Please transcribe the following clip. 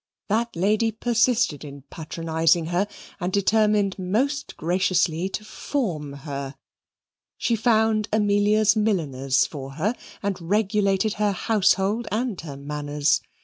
That lady persisted in patronizing her and determined most graciously to form her. She found Amelia's milliners for her and regulated her household and her manners.